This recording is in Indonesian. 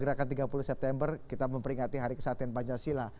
pada satu tahun peristiwa gerakan tiga puluh september kita memperingati hari kesatian pancasila